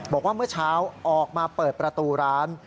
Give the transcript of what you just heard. บอกว่าเมื่อเช้าออกมาเปิดประตูร้าน